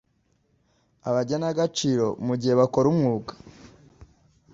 abagenagaciro mu gihe bakora umwuga